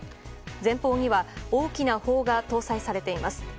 前方には大きな砲が搭載されています。